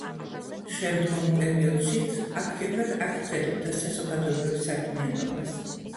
შემდგომ პერიოდშიც აქტიურად აგრძელებდა საზოგადოებრივ საქმიანობას.